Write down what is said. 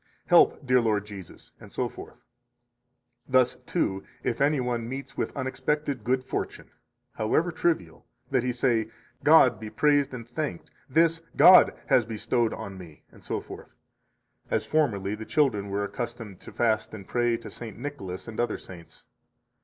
"Help, dear Lord Jesus!" etc. Thus, too, if any one meets with unexpected good fortune, however trivial, that he say: "God be praised and thanked; this God has bestowed on me!" etc., as formerly the children were accustomed to fast and pray to St. Nicholas and other saints.